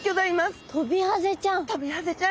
トビハゼちゃん。